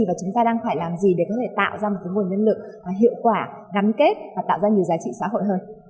và chúng ta đang phải làm gì để có thể tạo ra một nguồn nhân lực hiệu quả gắn kết và tạo ra nhiều giá trị xã hội hơn